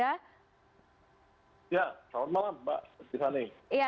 ya selamat malam mbak